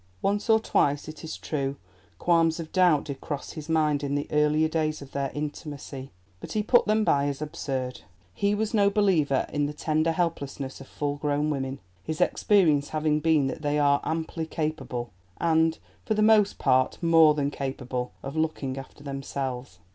Once or twice, it is true, qualms of doubt did cross his mind in the earlier days of their intimacy. But he put them by as absurd. He was no believer in the tender helplessness of full grown women, his experience having been that they are amply capable—and, for the most part, more than capable—of looking after themselves.